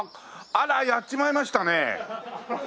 あらやっちまいましたね。